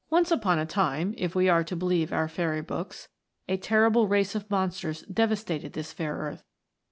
upon a time if we are to believe our Fairy books a terrible race of mon sters devas tated this fair earth.